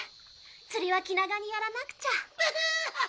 釣りは気長にやらなくちゃ。